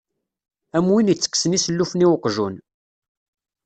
Am win itekksen isellufen i uqjun.